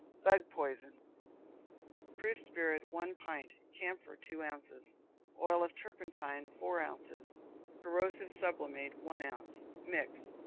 Bug Poison. Proof spirit, one pint; camphor, two ounces; oil of turpentine, four ounces; corrosive sublimate, one ounce. Mix.